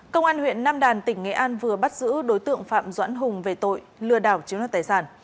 công an huyện nam đàn tỉnh nghệ an vừa bắt giữ đối tượng phạm doãn hùng về tội lừa đảo chiếm đoạt tài sản